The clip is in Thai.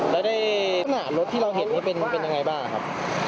รักษณะรถที่เราเห็นนี่เป็นยังไงบ้างครับ